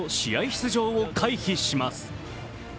出場を回避します。